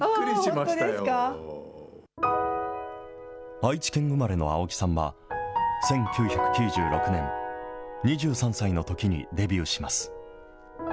愛知県生まれの青木さんは、１９９６年、２３歳のときにデビューします。